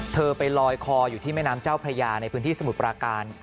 ไปลอยคออยู่ที่แม่น้ำเจ้าพระยาในพื้นที่สมุทรปราการ